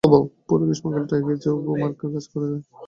পুরো গ্রীষ্মকাল টাই গেছে গু মার্কা কাজ করে করে।